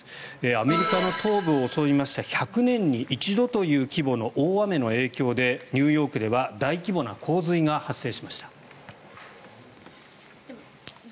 アメリカの東部を襲いました１００年に一度という規模の大雨の影響でニューヨークでは大規模な洪水が発生しました。